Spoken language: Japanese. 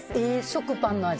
食パンの味。